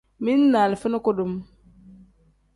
Mili ni alifa ni kudum.